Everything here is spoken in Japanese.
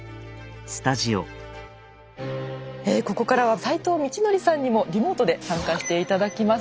ここからは斎藤通紀さんにもリモートで参加して頂きます。